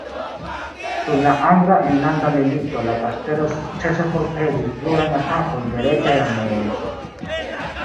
Dum la angla enlanda milito la kastelo sukcese forpelis plurajn atakojn de reĝaj armeoj.